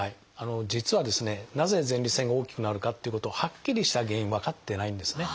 実はですねなぜ前立腺が大きくなるかっていうことはっきりした原因分かってないんですね。